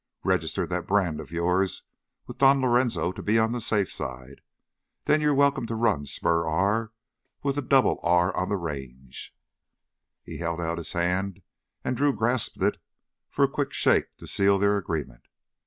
Register that brand of yours with Don Lorenzo to be on the safe side. Then you're welcome to run Spur R with the Double R on the Range." He held out his hand, and Drew grasped it for a quick shake to seal their agreement.